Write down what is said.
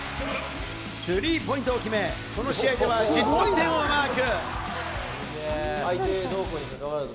スリーポイントを決め、この試合では１０得点をマーク。